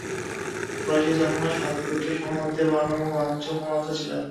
কুরাইশের অন্যান্য সাত গোত্রসমূহের মধ্যে বনু মাখযুম অন্যতম ছিল।